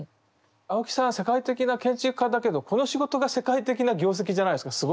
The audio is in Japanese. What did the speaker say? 青木さんは世界的な建築家だけどこの仕事が世界的な業績じゃないですか。